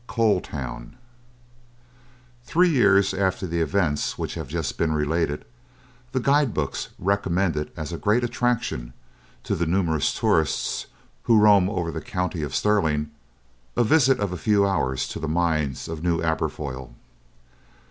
COAL TOWN Three years after the events which have just been related, the guide books recommended as a "great attraction," to the numerous tourists who roam over the county of Stirling, a visit of a few hours to the mines of New Aberfoyle.